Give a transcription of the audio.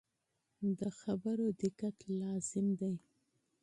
د خبرو دقت لازم دی.